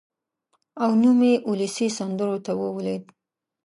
او نوم یې اولسي سندرو ته ولوېد.